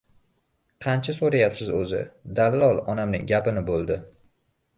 — Qancha so‘rayapsiz o‘zi? — dallol onamning gapini bo‘ldi.